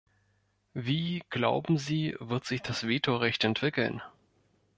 Wie, glauben Sie, wird sich das Vetorecht entwickeln?